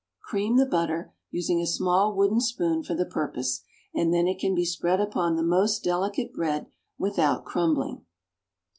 Cream the butter, using a small wooden spoon for the purpose, and then it can be spread upon the most delicate bread without crumbling.